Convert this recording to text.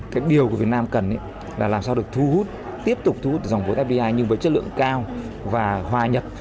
cái điều mà việt nam cần là làm sao được thu hút tiếp tục thu hút dòng vốn fdi nhưng với chất lượng cao và hòa nhập